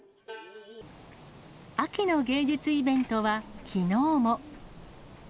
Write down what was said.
秋の芸術イベントはきのうも。